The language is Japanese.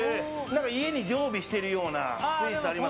家で常備してるようなスイーツありますか？